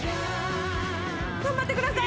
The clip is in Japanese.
頑張ってください！